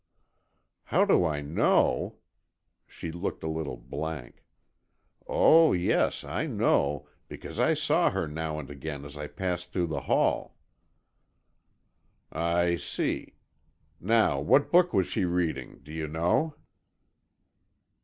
"How do I know?" she looked a little blank. "Oh, yes, I know, because I saw her now and again as I passed through the hall." "I see. Now, what book was she reading? Do you know?"